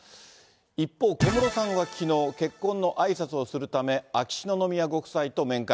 一方、小室さんはきのう、結婚のあいさつをするため、秋篠宮ご夫妻と面会。